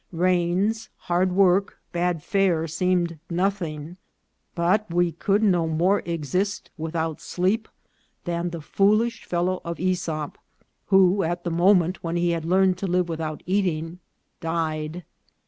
Rains, hard work, bad fare, seemed nothing ; but we could no more exist without sleep ihan the "foolish fellow" of ^Esop, who, at the moment when he had learned to live with out eating, died.